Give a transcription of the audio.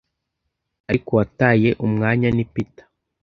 ariko uwataye umwanya ni Peter